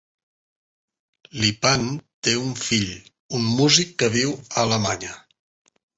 Lipan té un fill, un músic que viu a Alemanya.